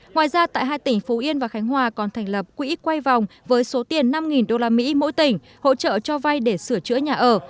ngoài ra tại hai tỉnh phú yên và khánh hòa còn thành lập quỹ quay vòng với số tiền năm usd mỗi tỉnh hỗ trợ cho vay để sửa chữa nhà ở